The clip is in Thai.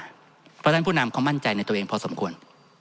เพราะฉะนั้นผู้นำเขามั่นใจในตัวเองพอสมควร